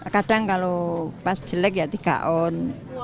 kadang kalau pas jelek ya tiga on